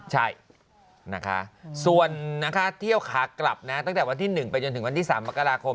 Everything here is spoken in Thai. ใช่ส่วนเที่ยวขากลับตั้งแต่วันที่๑จนถึงวันที่๓ปกติ